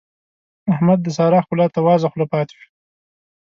احمد د سارا ښکلا ته وازه خوله پاته شو.